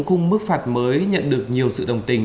khung mức phạt mới nhận được nhiều sự đồng tình